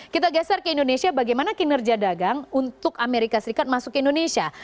kita geser ke indonesia bagaimana kinerja dagang untuk amerika serikat masuk ke indonesia